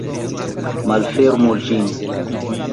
Malfermu ĝin.